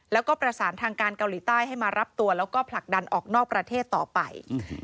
แล้วก็ประสานทางการเกาหลีใต้ให้มารับตัวแล้วก็ผลักดันออกนอกประเทศต่อไป